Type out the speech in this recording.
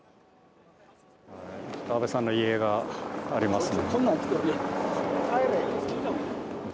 安倍さんの遺影がありますね。